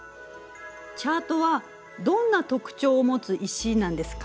チャートはどんな特徴を持つ石なんですか？